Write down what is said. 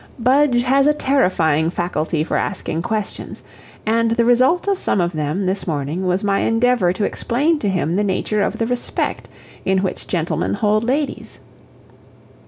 "Budge has a terrifying faculty for asking questions, and the result of some of them, this morning, was my endeavor to explain to him the nature of the respect in which gentlemen hold ladies."